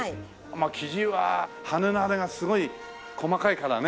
まあキジは羽のあれがすごい細かいからね。